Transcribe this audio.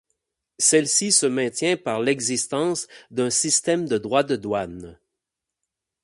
Celle-ci se maintient par l'existence d'un système de droits de douanes.